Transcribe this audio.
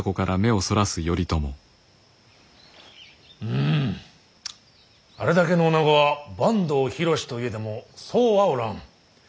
うんあれだけの女子は坂東広しといえどもそうはおらん。